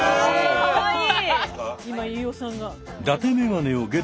かわいい！